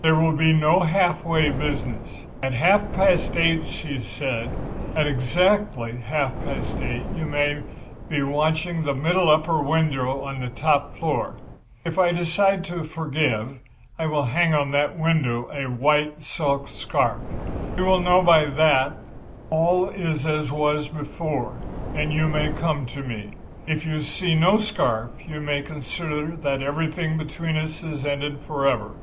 There will be no half way business. At half past eight,' she said, 'at exactly half past eight you may be watching the middle upper window of the top floor. If I decide to forgive I will hang out of that window a white silk scarf. You will know by that that all is as was before, and you may come to me. If you see no scarf you may consider that everything between us is ended forever.